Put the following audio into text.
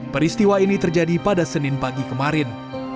peristiwa ini terjadi pada senin pagi kemarin